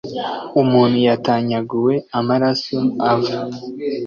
umuntu yatanyaguwe amaraso ava.